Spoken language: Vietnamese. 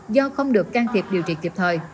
do không được can thiệp điều trị kịp thời